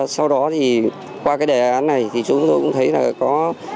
sau đó thì qua cái đề án này thì chúng tôi cũng thấy là có